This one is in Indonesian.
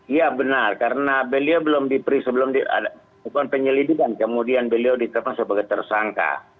ya benar karena beliau belum diperi sebelum diadakan penyelidikan kemudian beliau diterima sebagai tersangka